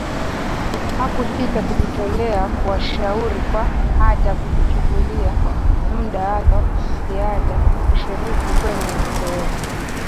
Hakusita kujitolea kuwashauri kwa hata kujichukulia muda wake wa ziada kushiriki kwenye mazoezi